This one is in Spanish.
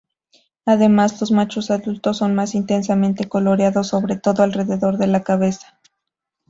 Además, los machos adultos son más intensamente coloreados, sobre todo alrededor de la cabeza.